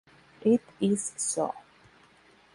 It Is So.